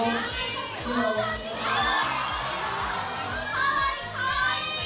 かわいい、かわいい。